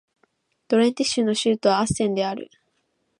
ドレンテ州の州都はアッセンである